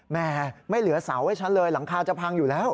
แม่ไม่เหลือเสาให้ฉันเลยหลังคาจะพังอยู่แล้ว